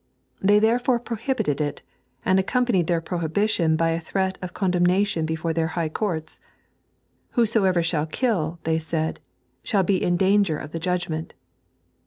They therefore prohibited it, and accom panied their prohibition by a threat of condemnation before their high oaurts. "Whosoever shall kill," they said, "shall be in danger of the judgment."